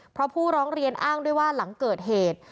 เพราะผู้ร้องเรียนอ้างด้วยว่าหลังเกิดเหตุ